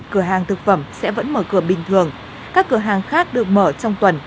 cửa hàng thực phẩm sẽ vẫn mở cửa bình thường các cửa hàng khác được mở trong tuần